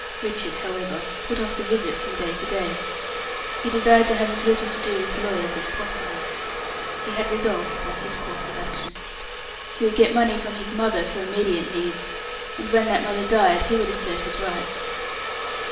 Richard, however, put off the visit from day to day. He desired to have as little to do with lawyers as possible. He had resolved upon his course of action. He would get money from his mother for immediate needs, and when that mother died he would assert his rights.